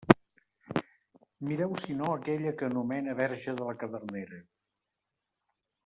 Mireu si no aquella que anomena Verge de la cadernera.